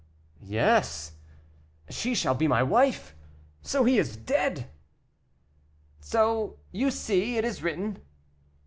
"Yes, she shall be my wife. So he is dead." "So, you see, it is written."